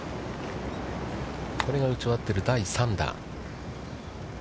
これが打ち終わっている第３打。